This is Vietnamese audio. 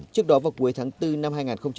trước đó vào cuối tháng bốn năm hai nghìn một mươi sáu